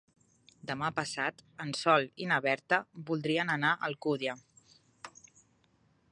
Demà passat en Sol i na Berta voldrien anar a Alcúdia.